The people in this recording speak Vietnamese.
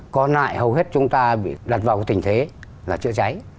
còn lại hầu hết chúng ta bị đặt vào cái tình thế là chữa cháy